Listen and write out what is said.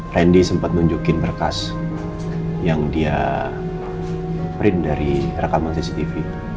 rendy sempet nunjukin bekas yang dia print dari rekaman cctv